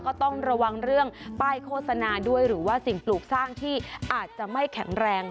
ก็ต้องระวังเรื่องป้ายโฆษณาด้วยหรือว่าสิ่งปลูกสร้างที่อาจจะไม่แข็งแรง